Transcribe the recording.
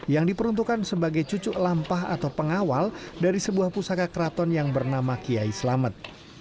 yang diperuntukkan sebagai cucuk lampah atau pengawal dari sebuah pusaka keraton yang bernama kiai selamet